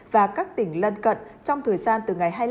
và các tỉnh lân cận trong thời gian từ ngày hai mươi năm